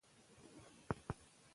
د خلکو بې باوري خطر لري